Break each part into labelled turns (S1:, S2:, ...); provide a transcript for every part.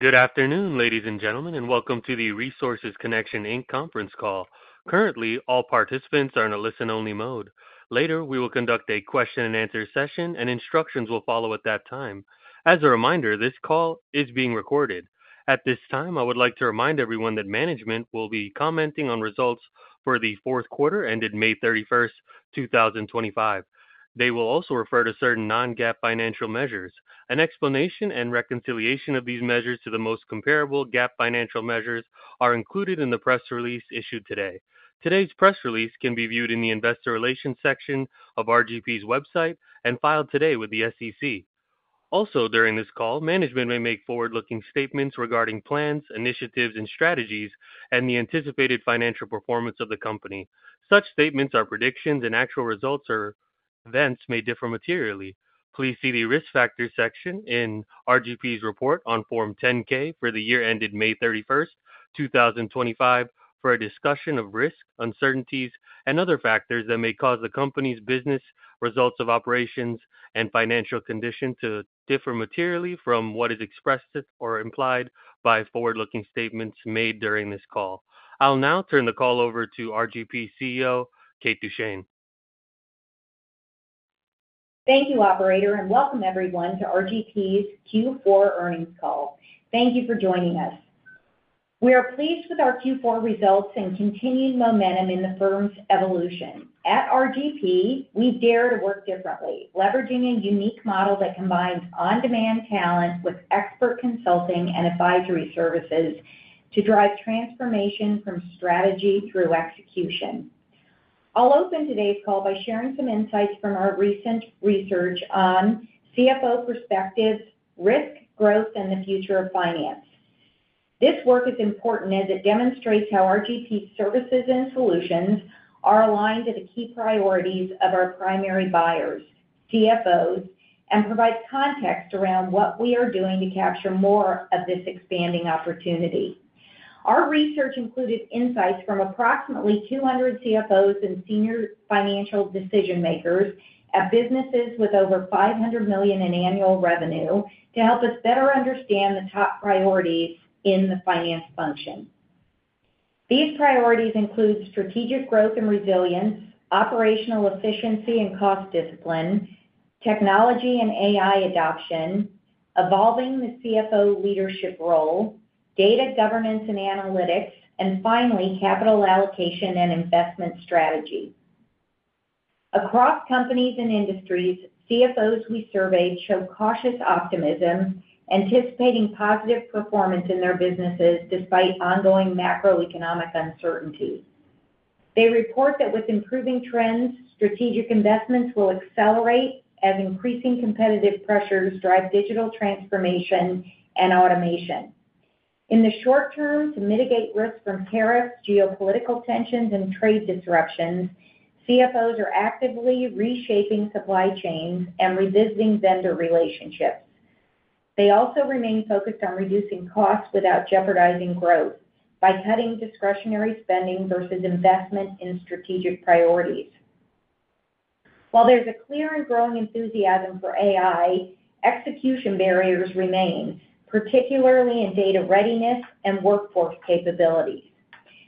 S1: Good afternoon, ladies and gentlemen, and welcome to the Resources Connection Inc. conference call. Currently, all participants are in a listen-only mode. Later, we will conduct a question-and-answer session, and instructions will follow at that time. As a reminder, this call is being recorded. At this time, I would like to remind everyone that management will be commenting on results for the fourth quarter ended May 31, 2025. They will also refer to certain non-GAAP financial measures. An explanation and reconciliation of these measures to the most comparable GAAP financial measures are included in the press release issued today. Today's press release can be viewed in the Investor Relations section of RGP's website and filed today with the SEC. Also, during this call, management may make forward-looking statements regarding plans, initiatives, and strategies, and the anticipated financial performance of the company. Such statements are predictions, and actual results or events may differ materially. Please see the Risk Factors section in RGP's report on Form 10-K for the year ended May 31, 2025, for a discussion of risk, uncertainties, and other factors that may cause the company's business, results of operations, and financial condition to differ materially from what is expressed or implied by forward-looking statements made during this call. I'll now turn the call over to RGP's CEO, Kate Duchene.
S2: Thank you, Operator, and welcome everyone to RGP's Q4 earnings call. Thank you for joining us. We are pleased with our Q4 results and continued momentum in the firm's evolution. At RGP, we dare to work differently, leveraging a unique model that combines on-demand talent with expert consulting and advisory services to drive transformation from strategy through execution. I'll open today's call by sharing some insights from our recent research on CFO perspectives, risk, growth, and the future of finance. This work is important as it demonstrates how RGP's services and solutions are aligned to the key priorities of our primary buyers, CFOs, and provides context around what we are doing to capture more of this expanding opportunity. Our research included insights from approximately 200 CFOs and senior financial decision-makers at businesses with over $500 million in annual revenue to help us better understand the top priorities in the finance function. These priorities include strategic growth and resilience, operational efficiency and cost discipline, technology and AI adoption, evolving the CFO leadership role, data governance and analytics, and finally, capital allocation and investment strategy. Across companies and industries, CFOs we surveyed show cautious optimism, anticipating positive performance in their businesses despite ongoing macroeconomic uncertainty. They report that with improving trends, strategic investments will accelerate as increasing competitive pressures drive digital transformation and automation. In the short term, to mitigate risks from tariffs, geopolitical tensions, and trade disruptions, CFOs are actively reshaping supply chains and revisiting vendor relationships. They also remain focused on reducing costs without jeopardizing growth by cutting discretionary spending versus investment in strategic priorities. While there's a clear and growing enthusiasm for AI, execution barriers remain, particularly in data readiness and workforce capability.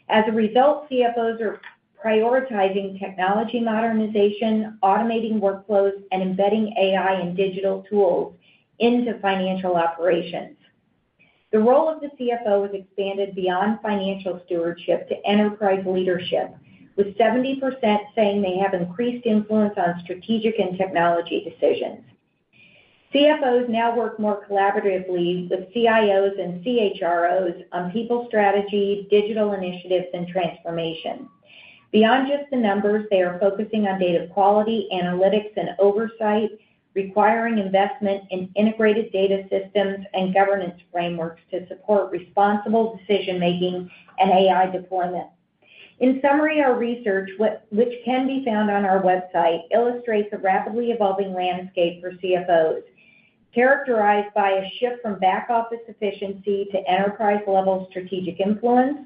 S2: As a result, CFOs are prioritizing technology modernization, automating workflows, and embedding AI and digital tools into financial operations. The role of the CFO has expanded beyond financial stewardship to enterprise leadership, with 70% saying they have increased influence on strategic and technology decisions. CFOs now work more collaboratively with CIOs and CHROs on people strategy, digital initiatives, and transformation. Beyond just the numbers, they are focusing on data quality, analytics, and oversight, requiring investment in integrated data systems and governance frameworks to support responsible decision-making and AI deployment. In summary, our research, which can be found on our website, illustrates a rapidly evolving landscape for CFOs, characterized by a shift from back-office efficiency to enterprise-level strategic influence,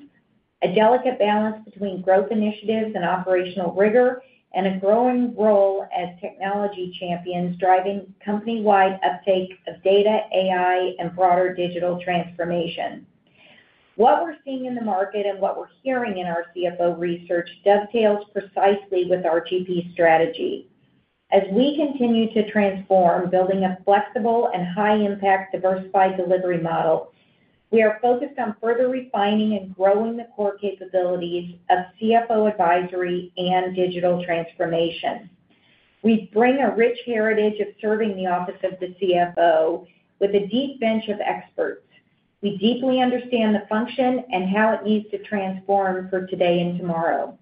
S2: a delicate balance between growth initiatives and operational rigor, and a growing role as technology champions driving company-wide uptake of data, AI, and broader digital transformation. What we're seeing in the market and what we're hearing in our CFO research dovetails precisely with RGP's strategy. As we continue to transform, building a flexible and high-impact diversified delivery model, we are focused on further refining and growing the core capabilities of CFO advisory and digital transformation. We bring a rich heritage of serving the office of the CFO with a deep bench of experts. We deeply understand the function and how it needs to transform for today and tomorrow.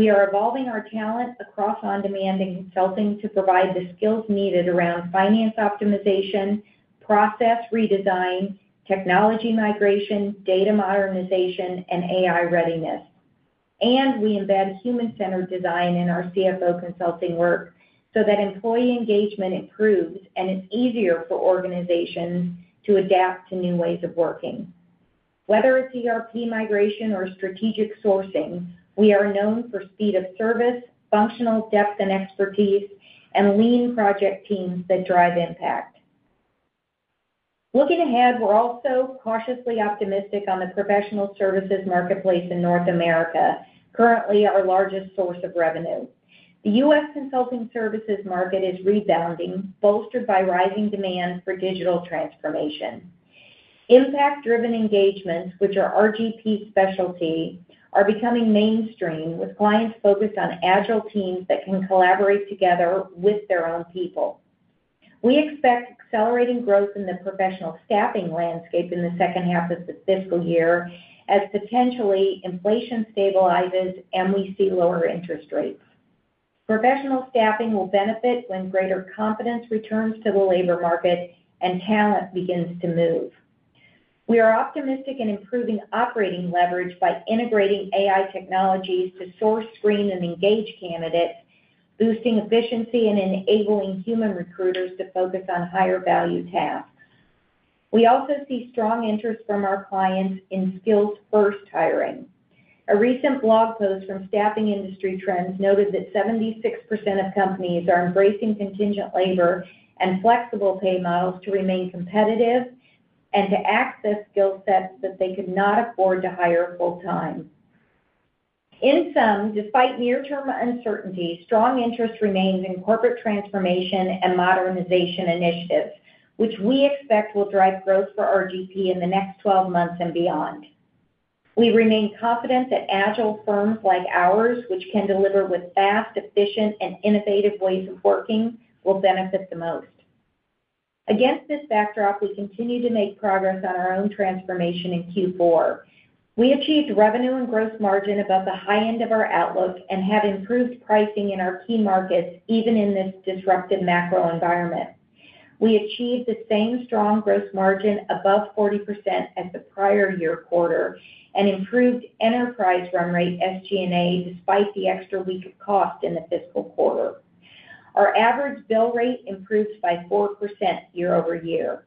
S2: We are evolving our talent across on-demand consulting to provide the skills needed around finance optimization, process redesign, technology migration, data modernization, and AI readiness. We embed human-centered design in our CFO consulting work so that employee engagement improves and it's easier for organizations to adapt to new ways of working. Whether it's ERP migration or strategic sourcing, we are known for speed of service, functional depth and expertise, and lean project teams that drive impact. Looking ahead, we're also cautiously optimistic on the professional services marketplace in North America, currently our largest source of revenue. The U.S. consulting services market is rebounding, bolstered by rising demand for digital transformation. Impact-driven engagements, which are RGP's specialty, are becoming mainstream with clients focused on agile teams that can collaborate together with their own people. We expect accelerating growth in the professional staffing landscape in the second half of the fiscal year as potentially inflation stabilizes and we see lower interest rates. Professional staffing will benefit when greater confidence returns to the labor market and talent begins to move. We are optimistic in improving operating leverage by integrating AI tools to source, screen, and engage candidates, boosting efficiency and enabling human recruiters to focus on higher-value tasks. We also see strong interest from our clients in skills-first hiring. A recent blog post from Staffing Industry Trends noted that 76% of companies are embracing contingent labor and flexible pay models to remain competitive and to access skill sets that they could not afford to hire full-time. In sum, despite near-term uncertainty, strong interest remains in corporate transformation and modernization initiatives, which we expect will drive growth for RGP in the next 12 months and beyond. We remain confident that agile firms like ours, which can deliver with fast, efficient, and innovative ways of working, will benefit the most. Against this backdrop, we continue to make progress on our own transformation in Q4. We achieved revenue and gross margin above the high end of our outlook and have improved pricing in our key markets, even in this disruptive macro environment. We achieved the same strong gross margin above 40% as the prior year quarter and improved enterprise run rate SG&A despite the extra leap of cost in the fiscal quarter. Our average bill rate improves by 4% year-over-year.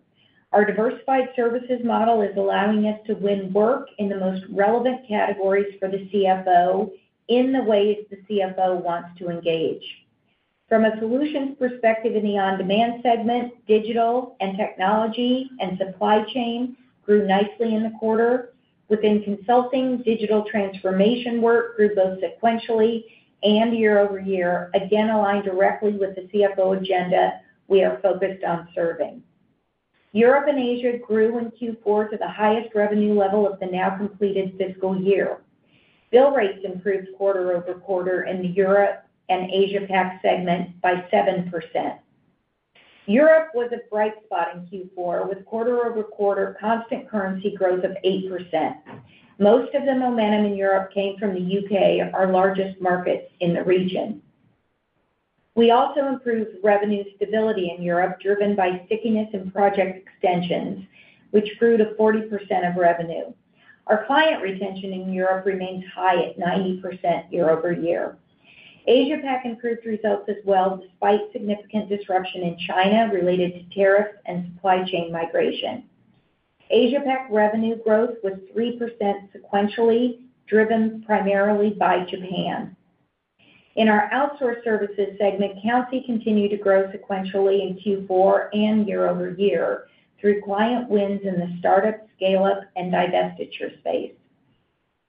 S2: Our diversified services model is allowing us to win work in the most relevant categories for the CFO in the ways the CFO wants to engage. From a solutions perspective in the on-demand segment, digital and technology and supply chain grew nicely in the quarter. Within consulting, digital transformation work grew both sequentially and year over year, again aligned directly with the CFO agenda we are focused on serving. Europe and Asia grew in Q4 to the highest revenue level of the now completed fiscal year. Bill rates improved quarter over quarter in the Europe and Asia-PAC segment by 7%. Europe was a bright spot in Q4 with quarter over quarter constant currency growth of 8%. Most of the momentum in Europe came from the U.K., our largest market in the region. We also improved revenue stability in Europe, driven by stickiness and project extensions, which grew to 40% of revenue. Our client retention in Europe remains high at 90% year over year. Asia-PAC improved results as well, despite significant disruption in China related to tariffs and supply chain migration. Asia Pacific revenue growth was 3% sequentially, driven primarily by Japan. In our outsourced services segment, Countsy continued to grow sequentially in Q4 and year over year through client wins in the startup, scale-up, and divestiture space.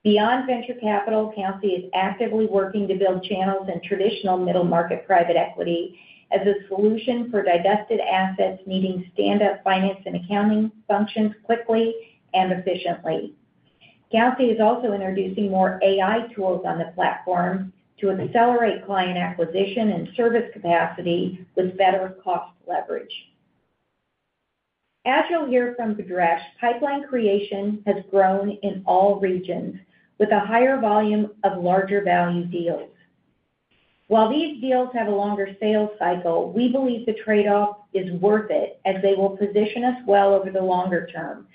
S2: Beyond venture capital, Countsy is actively working to build channels in traditional middle-market private equity as a solution for divested assets needing stand-up finance and accounting functions quickly and efficiently. Countsy is also introducing more AI tools on the platform to accelerate client acquisition and service capacity with better cost leverage. As you'll hear from Bhadresh, pipeline creation has grown in all regions with a higher volume of larger value deals. While these deals have a longer sales cycle, we believe the trade-off is worth it as they will position us well over the longer term,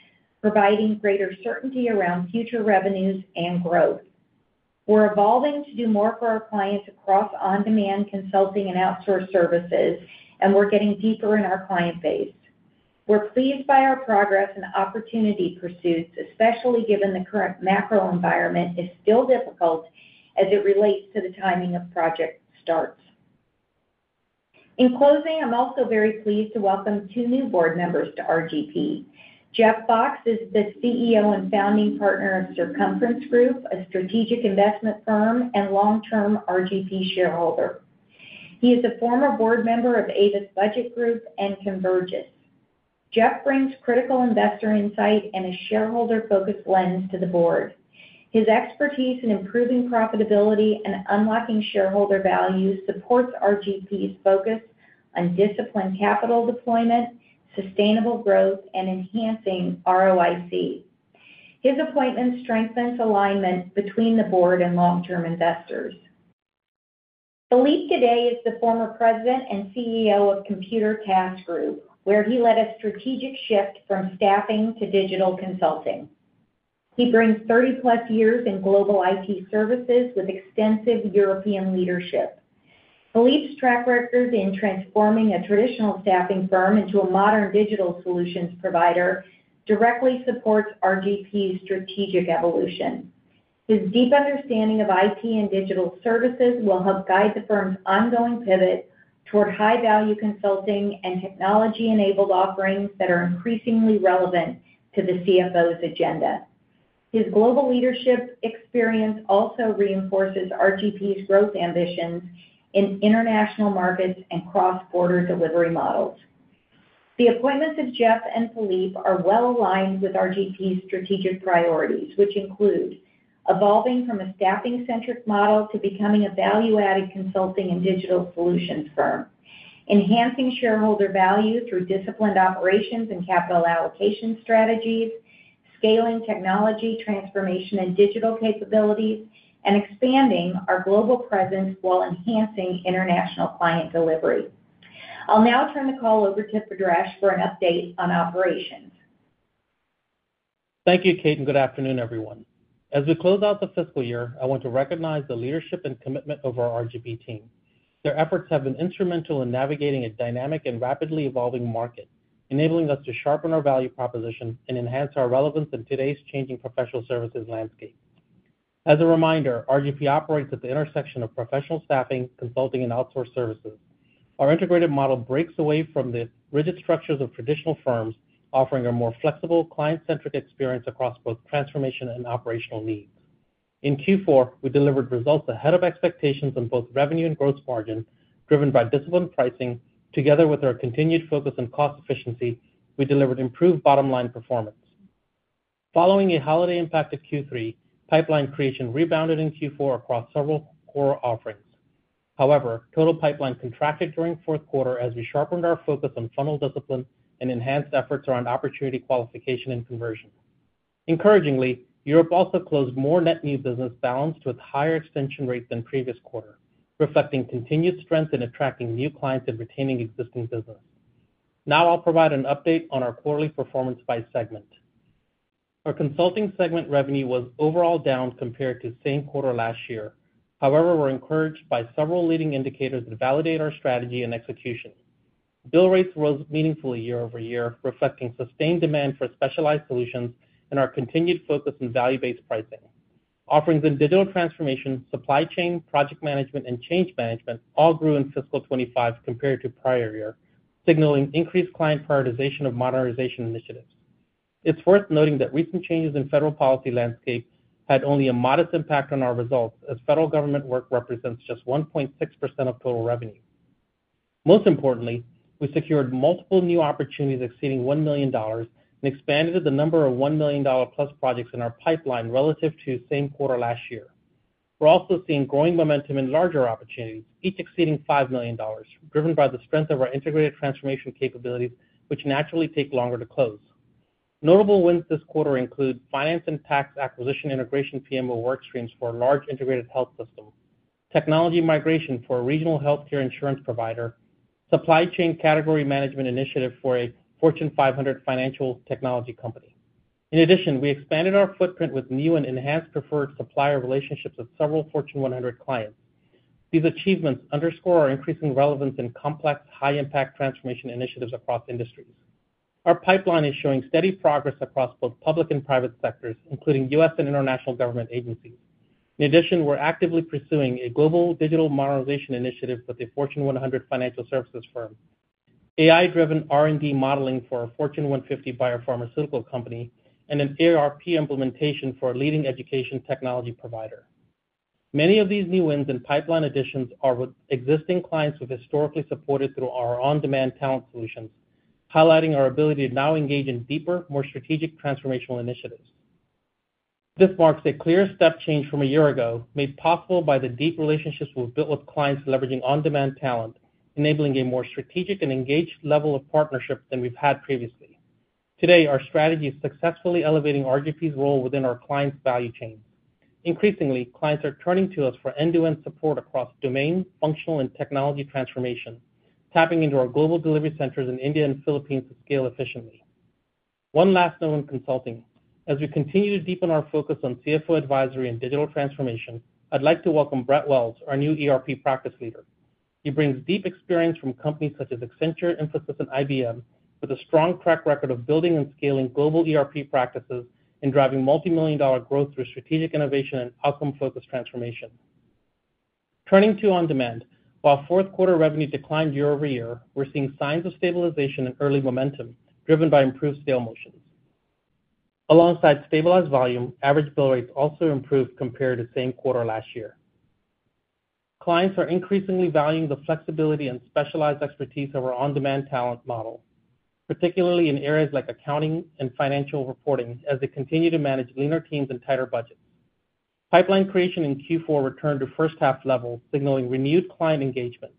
S2: providing greater certainty around future revenues and growth. We are evolving to do more for our clients across on-demand consulting and outsourced services, and we're getting deeper in our client base. We're pleased by our progress and opportunity pursuits, especially given the current macro environment is still difficult as it relates to the timing of project starts. In closing, I'm also very pleased to welcome two new board members to RGP. Jeff Fox is the CEO and founding partner of Circumference Group, a strategic investment firm and long-term RGP shareholder. He is a former board member of Avis Budget Group and Convergence. Jeff brings critical investor insight and a shareholder-focused lens to the board. His expertise in improving profitability and unlocking shareholder value supports RGP's focus on disciplined capital deployment, sustainable growth, and enhancing ROIC. His appointment strengthens alignment between the board and long-term investors. Philippe Gadet is the former President and CEO of Computer Task Group, where he led a strategic shift from staffing to digital consulting. He brings 30+ years in global IT services with extensive European leadership. Philippe's track record in transforming a traditional staffing firm into a modern digital solutions provider directly supports RGP's strategic evolution. His deep understanding of IT and digital services will help guide the firm's ongoing pivot toward high-value consulting and technology-enabled offerings that are increasingly relevant to the CFO's agenda. His global leadership experience also reinforces RGP's growth ambitions in international markets and cross-border delivery models. The appointments of Jeff and Philippe are well aligned with RGP's strategic priorities, which include evolving from a staffing-centric model to becoming a value-added consulting and digital solutions firm, enhancing shareholder value through disciplined operations and capital allocation strategies, scaling technology transformation and digital capabilities, and expanding our global presence while enhancing international client delivery. I'll now turn the call over to Bhadresh for an update on operations.
S3: Thank you, Kate, and good afternoon, everyone. As we close out the fiscal year, I want to recognize the leadership and commitment of our RGP team. Their efforts have been instrumental in navigating a dynamic and rapidly evolving market, enabling us to sharpen our value proposition and enhance our relevance in today's changing professional services landscape. As a reminder, RGP operates at the intersection of professional staffing, consulting, and outsourced services. Our integrated model breaks away from the rigid structures of traditional firms, offering a more flexible, client-centric experience across both transformation and operational needs. In Q4, we delivered results ahead of expectations in both revenue and gross margin, driven by disciplined pricing. Together with our continued focus on cost efficiency, we delivered improved bottom-line performance. Following a holiday-impacted Q3, pipeline creation rebounded in Q4 across several core offerings. However, total pipeline contracted during the fourth quarter as we sharpened our focus on funnel discipline and enhanced efforts around opportunity qualification and conversion. Encouragingly, Europe also closed more net new business balance with higher extension rates than previous quarter, reflecting continued strength in attracting new clients and retaining existing business. Now I'll provide an update on our quarterly performance by segment. Our consulting segment revenue was overall down compared to the same quarter last year. However, we're encouraged by several leading indicators that validate our strategy and execution. Bill rates rose meaningfully year over year, reflecting sustained demand for specialized solutions and our continued focus on value-based pricing. Offerings in digital transformation, supply chain, project management, and change management all grew in fiscal 2025 compared to prior year, signaling increased client prioritization of modernization initiatives. It's worth noting that recent changes in federal policy landscapes had only a modest impact on our results, as federal government work represents just 1.6% of total revenue. Most importantly, we secured multiple new opportunities exceeding $1 million and expanded the number of $1 million plus projects in our pipeline relative to the same quarter last year. We're also seeing growing momentum in larger opportunities, each exceeding $5 million, driven by the strength of our integrated transformation capabilities, which naturally take longer to close. Notable wins this quarter include finance and tax acquisition integration for work streams for a large integrated health system, technology migration for a regional healthcare insurance provider, and supply chain category management initiative for a Fortune 500 financial technology company. In addition, we expanded our footprint with new and enhanced preferred supplier relationships with several Fortune 100 clients. These achievements underscore our increasing relevance in complex, high-impact transformation initiatives across industries. Our pipeline is showing steady progress across both public and private sectors, including U.S. and international government agencies. In addition, we're actively pursuing a global digital modernization initiative with a Fortune 100 financial services firm, AI-driven R&D modeling for a Fortune 150 biopharmaceutical company, and an ERP implementation for a leading education technology provider. Many of these new wins and pipeline additions are with existing clients we've historically supported through our on-demand talent solutions, highlighting our ability to now engage in deeper, more strategic transformational initiatives. This marks a clear step change from a year ago, made possible by the deep relationships we've built with clients leveraging on-demand talent, enabling a more strategic and engaged level of partnership than we've had previously. Today, our strategy is successfully elevating RGP's role within our client's value chain. Increasingly, clients are turning to us for end-to-end support across domain, functional, and technology transformation, tapping into our global delivery centers in India and the Philippines to scale efficiently. One last note on Consulting. As we continue to deepen our focus on CFO advisory and digital transformation, I'd like to welcome Brett Wells, our new ERP Practice Leader. He brings deep experience from companies such as Accenture, Infosys, and IBM, with a strong track record of building and scaling global ERP practices and driving multimillion-dollar growth through strategic innovation and outcome-focused transformation. Turning to on-demand, while fourth quarter revenue declined year over year, we're seeing signs of stabilization and early momentum, driven by improved sale motion. Alongside stabilized volume, average bill rates also improved compared to the same quarter last year. Clients are increasingly valuing the flexibility and specialized expertise of our on-demand talent model, particularly in areas like accounting and financial reporting, as they continue to manage leaner teams and tighter budgets. Pipeline creation in Q4 returned to first-half levels, signaling renewed client engagement.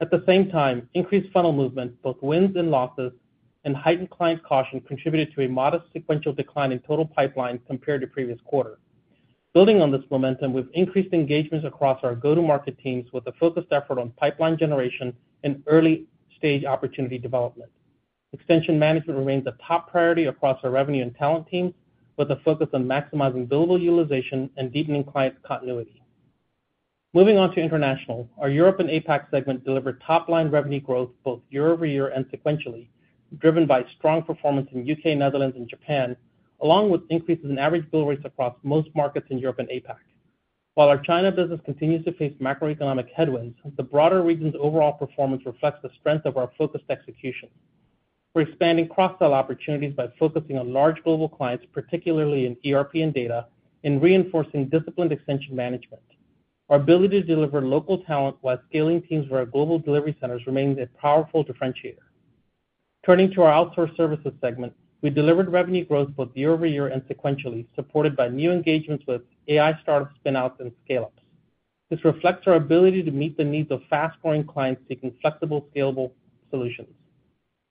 S3: At the same time, increased funnel movement, both wins and losses, and heightened client caution contributed to a modest sequential decline in total pipeline compared to the previous quarter. Building on this momentum, we've increased engagements across our go-to-market teams with a focused effort on pipeline generation and early-stage opportunity development. Extension management remains a top priority across our revenue and talent teams with a focus on maximizing billable utilization and deepening client continuity. Moving on to international, our Europe and APAC segment delivered top-line revenue growth both year over year and sequentially, driven by strong performance in the U.K., Netherlands, and Japan, along with increases in average bill rates across most markets in Europe and APAC. While our China business continues to face macroeconomic headwinds, the broader region's overall performance reflects the strength of our focused execution. We're expanding cross-sell opportunities by focusing on large global clients, particularly in ERP and data, and reinforcing disciplined extension management. Our ability to deliver local talent while scaling teams for our global delivery centers remains a powerful differentiator. Turning to our outsourced services segment, we delivered revenue growth both year over year and sequentially, supported by new engagements with AI startup spin-outs and scale-ups. This reflects our ability to meet the needs of fast-growing clients seeking flexible, scalable solutions.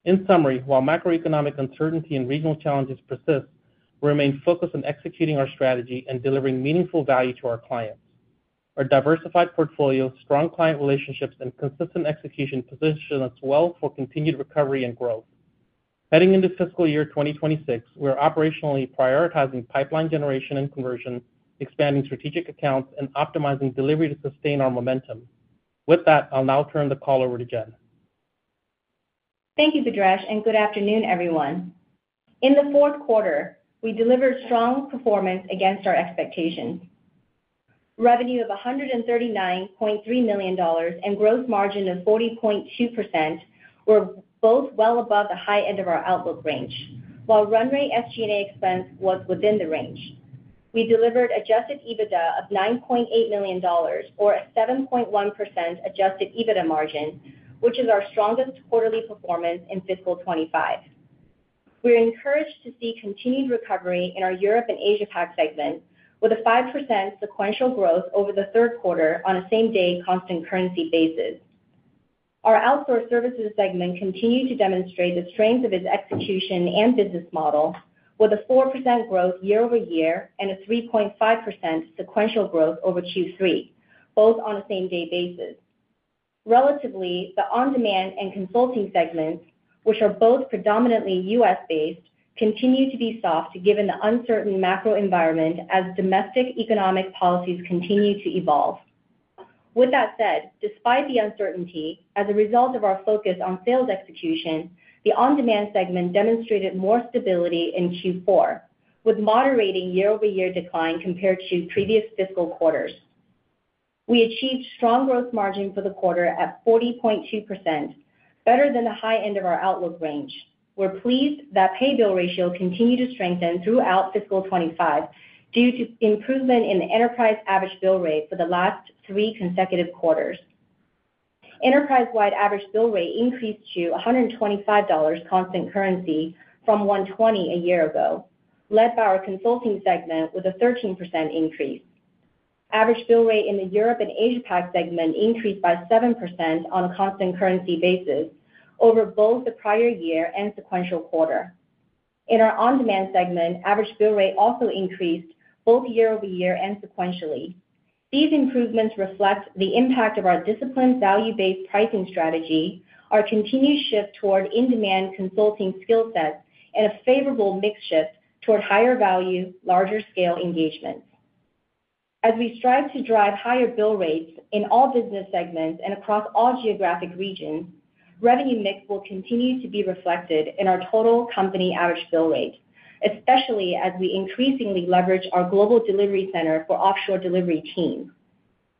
S3: In summary, while macroeconomic uncertainty and regional challenges persist, we remain focused on executing our strategy and delivering meaningful value to our clients. Our diversified portfolio, strong client relationships, and consistent execution position us well for continued recovery and growth. Heading into fiscal year 2026, we are operationally prioritizing pipeline generation and conversion, expanding strategic accounts, and optimizing delivery to sustain our momentum. With that, I'll now turn the call over to Jenn.
S4: Thank you, Bhadresh, and good afternoon, everyone. In the fourth quarter, we delivered strong performance against our expectations. Revenue of $139.3 million and gross margin of 40.2% were both well above the high end of our outlook range, while run rate SG&A expense was within the range. We delivered adjusted EBITDA of $9.8 million, or a 7.1% adjusted EBITDA margin, which is our strongest quarterly performance in fiscal 2025. We're encouraged to see continued recovery in our Europe and APAC segment, with a 5% sequential growth over the third quarter on a same-day constant currency basis. Our outsourced services segment continued to demonstrate the strength of its execution and business model, with a 4% growth year over year and a 3.5% sequential growth over Q3, both on a same-day basis. Relatively, the on-demand and consulting segments, which are both predominantly U.S.-based, continue to be soft given the uncertain macro environment as domestic economic policies continue to evolve. With that said, despite the uncertainty, as a result of our focus on field execution, the on-demand segment demonstrated more stability in Q4, with moderating year-over-year decline compared to previous fiscal quarters. We achieved strong gross margin for the quarter at 40.2%, better than the high end of our outlook range. We're pleased that pay-to-bill ratio continued to strengthen throughout fiscal 2025 due to improvement in the enterprise average bill rate for the last three consecutive quarters. Enterprise-wide average bill rate increased to $125 constant currency from $120 a year ago, led by our consulting segment with a 13% increase. Average bill rate in the Europe and Asia PAC segment increased by 7% on a constant currency basis over both the prior year and sequential quarter. In our on-demand segment, average bill rate also increased both year over year and sequentially. These improvements reflect the impact of our disciplined value-based pricing strategy, our continued shift toward in-demand consulting skill sets, and a favorable mix shift toward higher value, larger scale engagement. As we strive to drive higher bill rates in all business segments and across all geographic regions, revenue mix will continue to be reflected in our total company average bill rate, especially as we increasingly leverage our global delivery center for offshore delivery teams.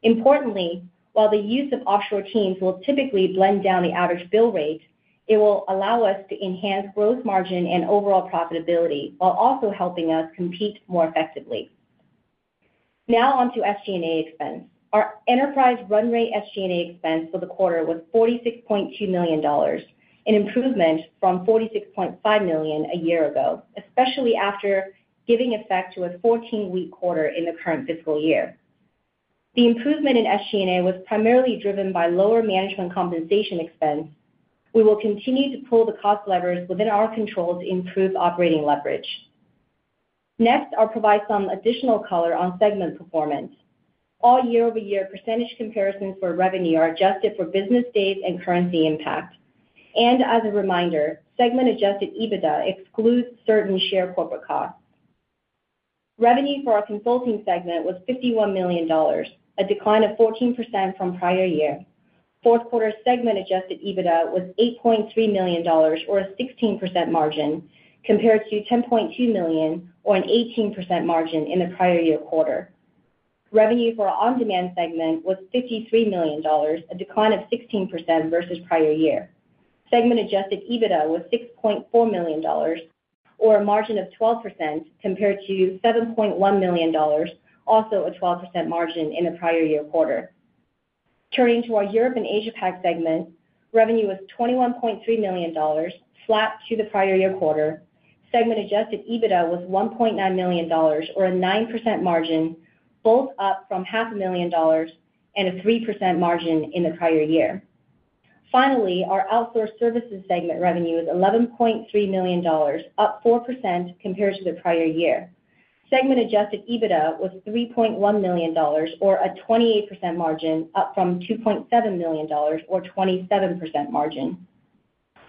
S4: Importantly, while the use of offshore teams will typically blend down the average bill rate, it will allow us to enhance gross margin and overall profitability while also helping us compete more effectively. Now on to SG&A expense. Our enterprise run rate SG&A expense for the quarter was $46.2 million, an improvement from $46.5 million a year ago, especially after giving effect to a 14-week quarter in the current fiscal year. The improvement in SG&A was primarily driven by lower management compensation expense. We will continue to pull the cost levers within our control to improve operating leverage. Next, I'll provide some additional color on segment performance. All year-over-year percentage comparisons for revenue are adjusted for business days and currency impact. As a reminder, segment adjusted EBITDA excludes certain share corporate costs. Revenue for our consulting segment was $51 million, a decline of 14% from prior year. Fourth quarter segment adjusted EBITDA was $8.3 million, or a 16% margin, compared to $10.2 million, or an 18% margin in the prior year quarter. Revenue for our on-demand segment was $53 million, a decline of 16% versus prior year. Segment adjusted EBITDA was $6.4 million, or a margin of 12%, compared to $7.1 million, also a 12% margin in the prior year quarter. Turning to our Europe and Asia PAC segment, revenue was $21.3 million, flat to the prior year quarter. Segment adjusted EBITDA was $1.9 million, or a 9% margin, both up from $0.5 million and a 3% margin in the prior year. Finally, our outsourced services segment revenue was $11.3 million, up 4% compared to the prior year. Segment adjusted EBITDA was $3.1 million, or a 28% margin, up from $2.7 million, or a 27% margin.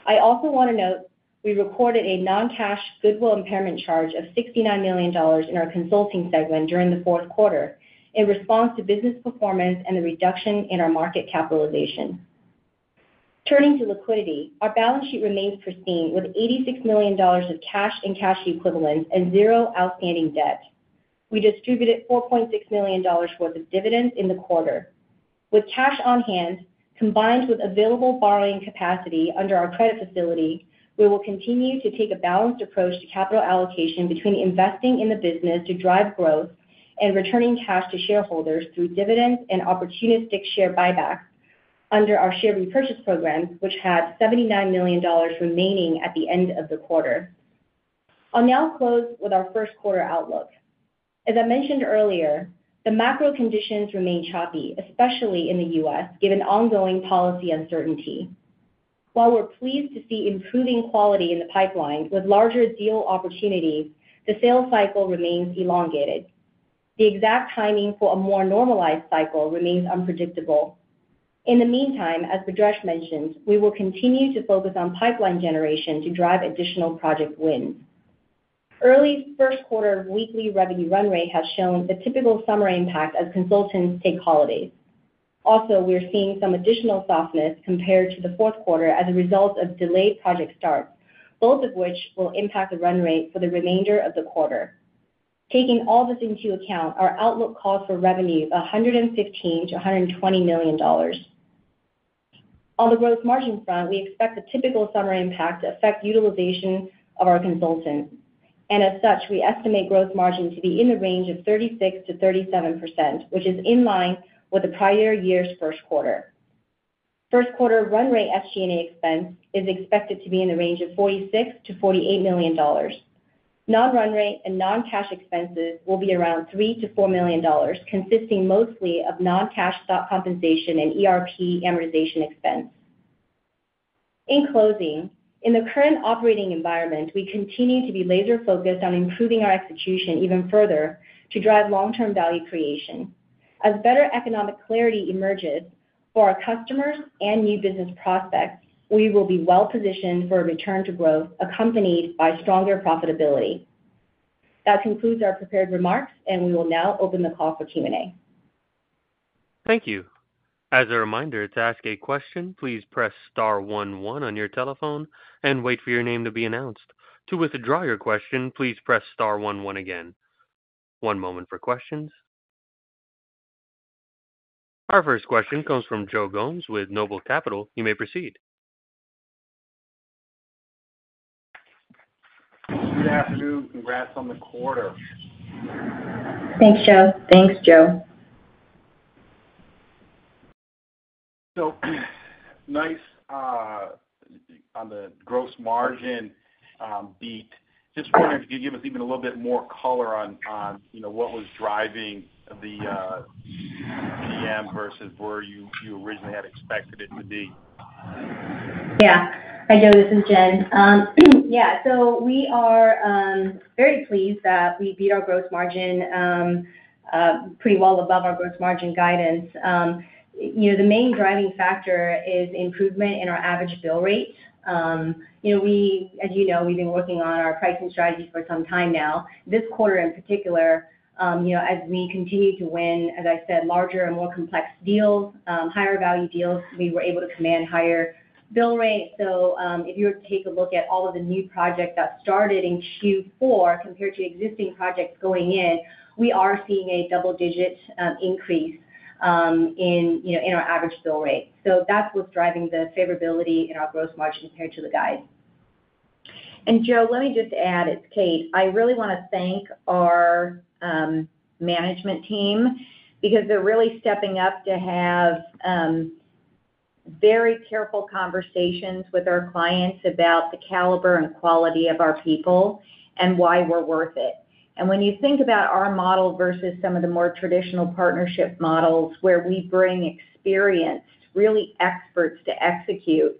S4: I also want to note we recorded a non-cash goodwill impairment charge of $69 million in our consulting segment during the fourth quarter in response to business performance and the reduction in our market capitalization. Turning to liquidity, our balance sheet remains pristine with $86 million of cash and cash equivalents and zero outstanding debt. We distributed $4.6 million worth of dividends in the quarter. With cash on hand, combined with available borrowing capacity under our credit facility, we will continue to take a balanced approach to capital allocation between investing in the business to drive growth and returning cash to shareholders through dividends and opportunistic share buybacks under our share repurchase programs, which had $79 million remaining at the end of the quarter. I'll now close with our first quarter outlook. As I mentioned earlier, the macro conditions remain choppy, especially in the U.S., given ongoing policy uncertainty. While we're pleased to see improving quality in the pipeline with larger deal opportunities, the sales cycle remains elongated. The exact timing for a more normalized cycle remains unpredictable. In the meantime, as Bhadresh mentioned, we will continue to focus on pipeline generation to drive additional project wins. Early first quarter weekly revenue run rate has shown the typical summer impact as consultants take holiday. Also, we are seeing some additional softness compared to the fourth quarter as a result of delayed project starts, both of which will impact the run rate for the remainder of the quarter. Taking all this into account, our outlook calls for revenue $115 million-$120 million. On the gross margin front, we expect a typical summer impact to affect utilization of our consultants. As such, we estimate gross margin to be in the range of 36%-37%, which is in line with the prior year's first quarter. First quarter run rate SG&A expense is expected to be in the range of $46 million-$48 million. Non-run rate and non-cash expenses will be around $3 million-$4 million, consisting mostly of non-cash stock compensation and ERP amortization expense. In closing, in the current operating environment, we continue to be laser focused on improving our execution even further to drive long-term value creation. As better economic clarity emerges for our customers and new business prospects, we will be well positioned for a return to growth accompanied by stronger profitability. That concludes our prepared remarks, and we will now open the call for Q&A.
S1: Thank you. As a reminder, to ask a question, please press star one one on your telephone and wait for your name to be announced. To withdraw your question, please press star one one again. One moment for questions. Our first question comes from Joe Gomes with Noble Capital Markets Inc. You may proceed.
S5: Good afternoon. Congrats on the quarter.
S4: Thanks, Joe.
S5: Nice on the gross margin beat. Can you give us even a little bit more color on what was driving the PM versus where you originally had expected it would be?
S4: Yeah. Hi, Joe. This is Jenn. Yeah. We are very pleased that we beat our gross margin pretty well above our gross margin guidance. The main driving factor is improvement in our average bill rate. As you know, we've been working on our pricing strategy for some time now. This quarter in particular, as we continue to win, as I said, larger and more complex deals, higher value deals, we were able to command higher bill rates. If you were to take a look at all of the new projects that started in Q4 compared to existing projects going in, we are seeing a double-digit increase in our average bill rate. That's what's driving the favorability in our gross margin compared to the guide.
S2: Joe, let me just add, it's Kate. I really want to thank our management team because they're really stepping up to have very careful conversations with our clients about the caliber and quality of our people and why we're worth it. When you think about our model versus some of the more traditional partnership models where we bring experienced, really experts to execute,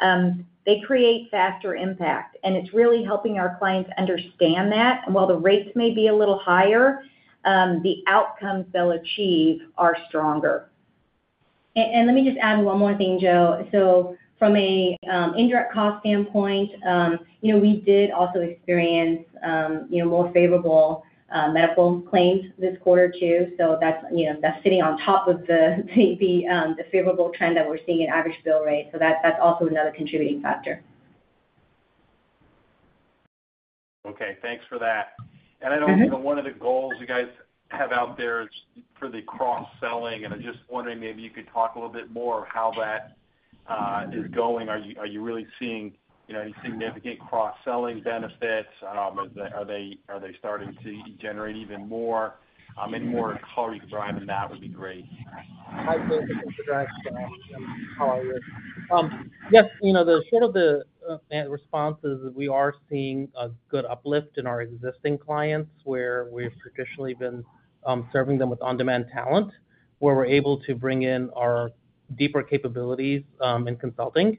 S2: they create faster impact. It's really helping our clients understand that. While the rates may be a little higher, the outcomes they'll achieve are stronger.
S4: Let me just add one more thing, Joe. From an indirect cost standpoint, we did also experience more favorable medical claims this quarter too. That is sitting on top of the favorable trend that we're seeing in average bill rate. That is also another contributing factor.
S5: Okay. Thanks for that. I know one of the goals you guys have out there is for the cross-selling, and I'm just wondering maybe you could talk a little bit more of how that is going. Are you really seeing any significant cross-selling benefits? Are they starting to generate even more? Any more color you can drive in that, it would be great.
S3: Hi, Joe. This is Bhadresh. Yes, you know the short of the response is we are seeing a good uplift in our existing clients where we've traditionally been serving them with on-demand talent, where we're able to bring in our deeper capabilities in consulting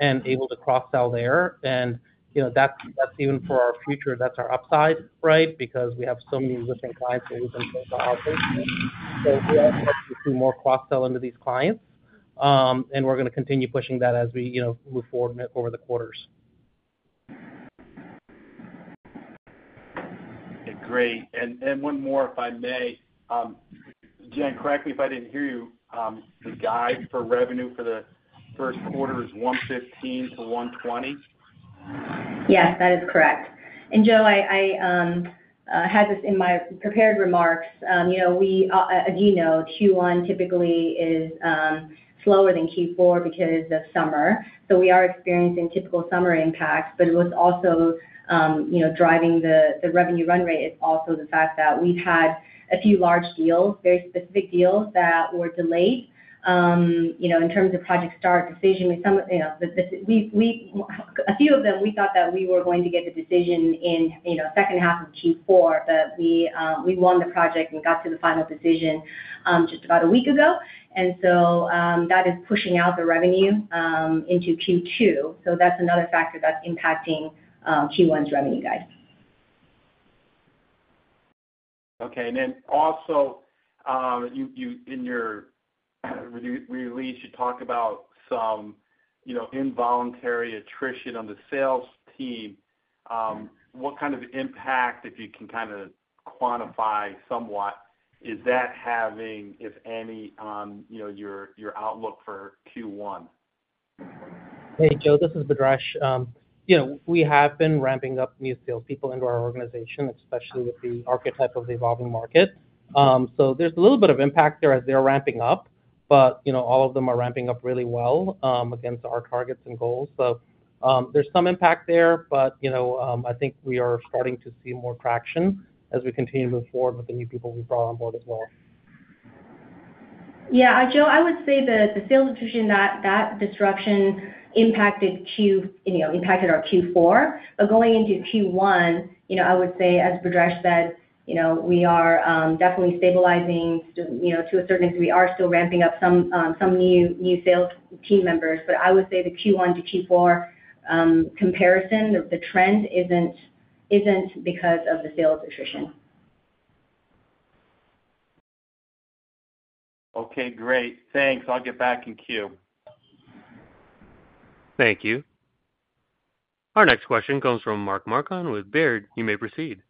S3: and able to cross-sell there. You know that's even for our future, that's our upside, right? Because we have so many existing clients that we can go to our office. We are set to do more cross-sell into these clients, and we're going to continue pushing that as we move forward over the quarters.
S5: Okay. Great. One more, if I may. Jenn, correct me if I didn't hear you. The guide for revenue for the first quarter is $115 million-$120 million?
S4: Yes, that is correct. Joe, I had this in my prepared remarks. As you know, Q1 typically is slower than Q4 because of summer. We are experiencing typical summer impacts. What's also driving the revenue run rate is the fact that we've had a few large deals, very specific deals that were delayed. In terms of project start decision, a few of them, we thought that we were going to get the decision in the second half of Q4, but we won the project and got to the final decision just about a week ago. That is pushing out the revenue into Q2. That is another factor that's impacting Q1's revenue guide.
S5: Okay. In your release, you talk about some involuntary attrition on the sales team. What kind of impact, if you can kind of quantify somewhat, is that having, if any, on your outlook for Q1?
S3: Hey, Joe. This is Bhadresh. We have been ramping up new salespeople into our organization, especially with the archetype of the evolving market. There is a little bit of impact there as they're ramping up, but you know all of them are ramping up really well against our targets and goals. There is some impact there, but I think we are starting to see more traction as we continue to move forward with the new people we've brought on board as well.
S4: Yeah. Joe, I would say that the sales attrition, that disruption impacted our Q4. Going into Q1, as Bhadresh said, we are definitely stabilizing to a certain degree. We are still ramping up some new sales team members. I would say the Q1 to Q4 comparison, the trend isn't because of the sales attrition.
S5: Okay. Great, thanks. I'll get back in queue.
S1: Thank you. Our next question comes from Mark Marcon with Baird. You may proceed.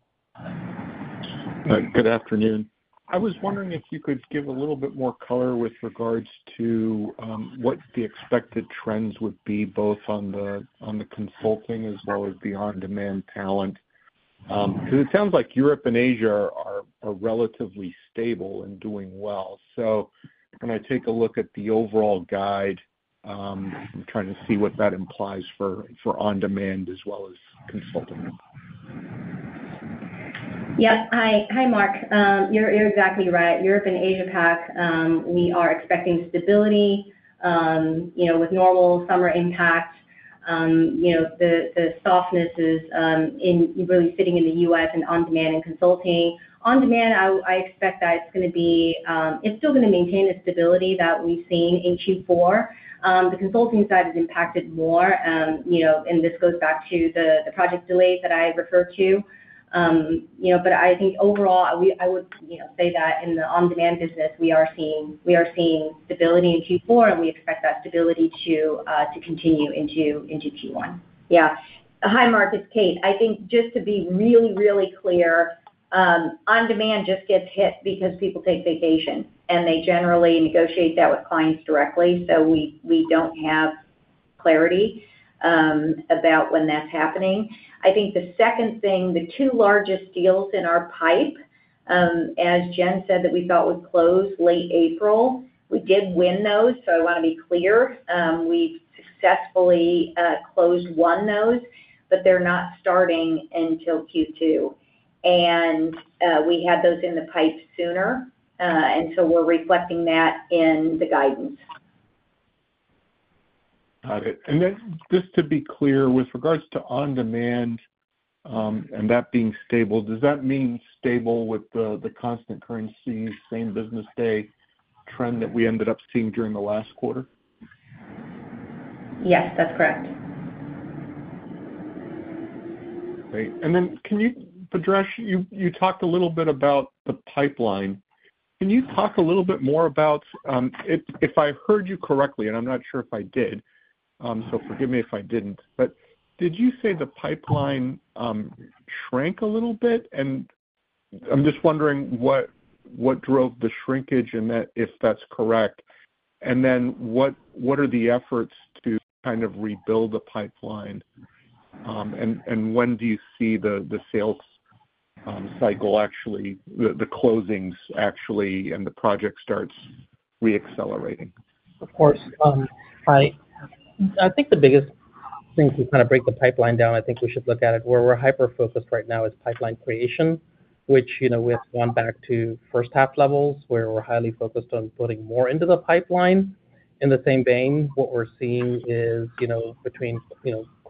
S6: Good afternoon. I was wondering if you could give a little bit more color with regards to what the expected trends would be both on the consulting as well as the on-demand talent. It sounds like Europe and Asia are relatively stable and doing well. Can I take a look at the overall guide? I'm trying to see what that implies for on-demand as well as consulting.
S4: Yeah. Hi, Mark. You're exactly right. Europe and Asia PAC, we are expecting stability with normal summer impacts. The softness is really sitting in the U.S. and on-demand and consulting. On-demand, I expect that it's still going to maintain the stability that we've seen in Q4. The consulting side is impacted more, and this goes back to the project delays that I referred to. I think overall, I would say that in the on-demand business, we are seeing stability in Q4, and we expect that stability to continue into Q1.
S2: Yeah. Hi, Mark. It's Kate. I think just to be really, really clear, on-demand just gets hit because people take vacation, and they generally negotiate that with clients directly. We don't have clarity about when that's happening. I think the second thing, the two largest deals in our pipe, as Jenn said, that we thought would close late April, we did win those. I want to be clear. We've successfully closed one of those, but they're not starting until Q2. We had those in the pipe sooner, and we're reflecting that in the guidance.
S6: Got it. Just to be clear, with regards to on-demand and that being stable, does that mean stable with the constant currency, same business day trend that we ended up seeing during the last quarter?
S4: Yes, that's correct.
S6: Great. Bhadresh, you talked a little bit about the pipeline. Can you talk a little bit more about, if I heard you correctly, and I'm not sure if I did, so forgive me if I didn't, did you say the pipeline shrank a little bit? I'm just wondering what drove the shrinkage in that, if that's correct. What are the efforts to kind of rebuild the pipeline? When do you see the sales cycle, the closings, and the project starts reaccelerating?
S3: Of course. I think the biggest thing to kind of break the pipeline down, I think we should look at it where we're hyper-focused right now is pipeline creation, which, you know, we have gone back to first-half levels where we're highly focused on putting more into the pipeline. In the same vein, what we're seeing is, you know, between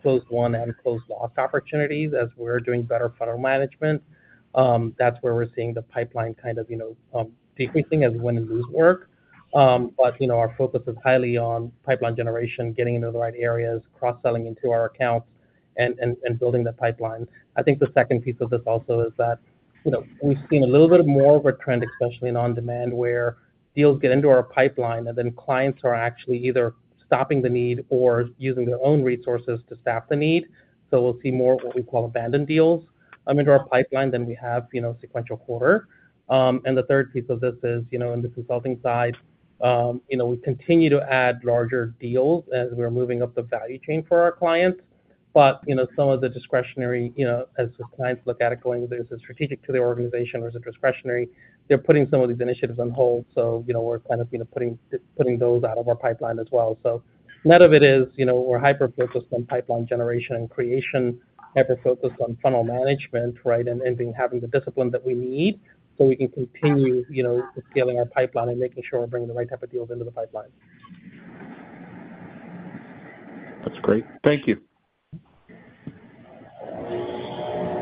S3: closed won and closed lost opportunities, as we're doing better funnel management, that's where we're seeing the pipeline kind of decreasing as the wins and losses work. Our focus is highly on pipeline generation, getting into the right areas, cross-selling into our accounts, and building the pipeline. I think the second piece of this also is that we've seen a little bit more of a trend, especially in on-demand, where deals get into our pipeline and then clients are actually either stopping the need or using their own resources to staff the need. We'll see more of what we call abandoned deals under our pipeline than we have, you know, sequential quarter. The third piece of this is, on the consulting side, we continue to add larger deals as we're moving up the value chain for our clients. Some of the discretionary, as clients look at it going with the strategic to the organization or the discretionary, they're putting some of these initiatives on hold. We're kind of putting those out of our pipeline as well. A lot of it is, we're hyper-focused on pipeline generation and creation, hyper-focused on funnel management, and having the discipline that we need so we can continue scaling our pipeline and making sure we're bringing the right type of deals into the pipeline.
S6: That's great. Thank you.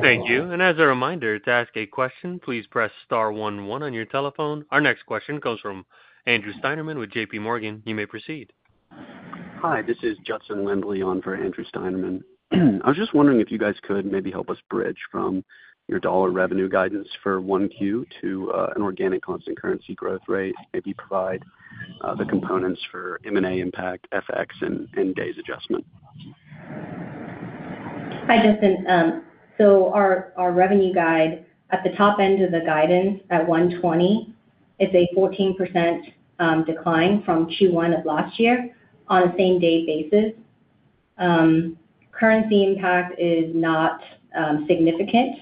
S1: Thank you. As a reminder, to ask a question, please press star 11 on your telephone. Our next question comes from Andrew Steinerman with JPMorgan. You may proceed.
S7: Hi, this is Judson Garrett Lindley on for Andrew Steinerman. I was just wondering if you guys could maybe help us bridge from your dollar revenue guidance for Q1 to an organic constant currency growth rate. Maybe provide the components for M&A impact, FX, and days adjustment.
S4: Hi, Judson. Our revenue guide at the top end of the guidance at $120 million is a 14% decline from Q1 of last year on a same-day basis. Currency impact is not significant.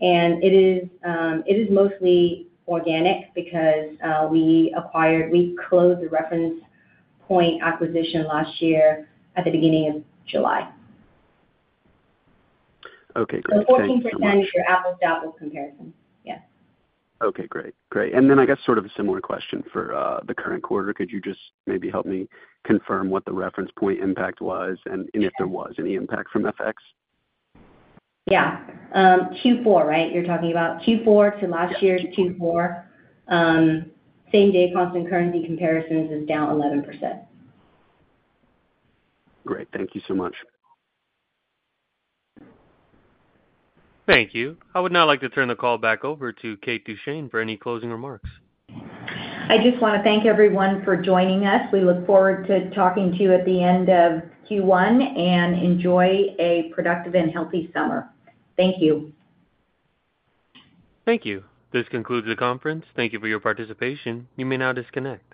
S4: It is mostly organic because we acquired, we closed the Reference Point acquisition last year at the beginning of July.
S7: Okay. Great.
S4: 14% is your average apples to apples comparison. Yeah.
S7: Okay. Great. Great. I guess sort of a similar question for the current quarter. Could you just maybe help me confirm what the Reference Point impact was, and if there was any impact from FX?
S4: Yeah. Q4, right? You're talking about Q4 to last year's Q4. Same-day constant currency comparison is down 11%.
S7: Great. Thank you so much.
S1: Thank you. I would now like to turn the call back over to Kate Duchene for any closing remarks.
S2: I just want to thank everyone for joining us. We look forward to talking to you at the end of Q1, and enjoy a productive and healthy summer. Thank you.
S1: Thank you. This concludes the conference. Thank you for your participation. You may now disconnect.